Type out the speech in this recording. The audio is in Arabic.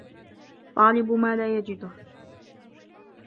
طَالِبُ مَا لَا يَجِدُهُ